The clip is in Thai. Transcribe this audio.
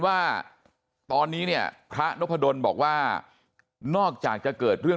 ว่าตอนนี้เนี่ยพระนพดลบอกว่านอกจากจะเกิดเรื่อง